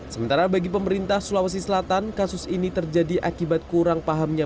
sementara bagi pemerintah sulawesi selatan kasus ini terjadi akibat kurang pahamnya